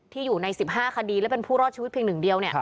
อยู่ใน๑๕คดีและเป็นผู้รอดชีวิตเพียงหนึ่งเดียว